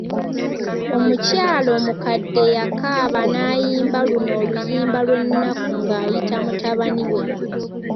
Omukyala omukadde yakaaba nayimba luno oluyimba lw'ennaku ng'ayita mutabani we.